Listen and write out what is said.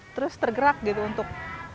terus tergerak gitu untuk